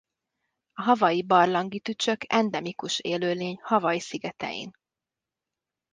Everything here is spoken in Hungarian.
A hawaii barlangi tücsök endemikus élőlény Hawaii szigetein.